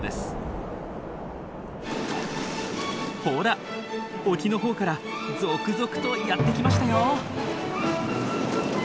ほら沖のほうから続々とやって来ましたよ。